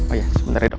oh iya sebentar ya dok